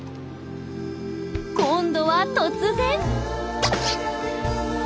今度は突然。